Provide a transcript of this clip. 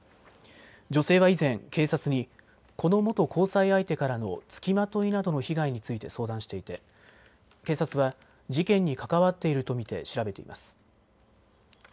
女性は以前、警察にこの元交際相手からのつきまといなどの被害について相談していて警察は事件に関わっていると見て調べています。